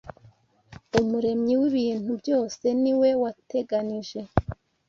Umuremyi w’ibintu byose ni we wateganije